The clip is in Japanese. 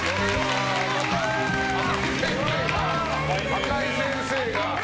赤井先生が。